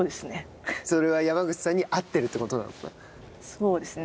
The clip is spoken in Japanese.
そうですね。